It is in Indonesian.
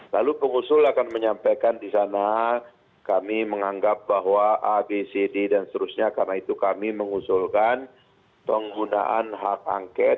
lalu pengusul akan menyampaikan di sana kami menganggap bahwa abcd dan seterusnya karena itu kami mengusulkan penggunaan hak angket